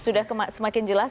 sudah semakin jelas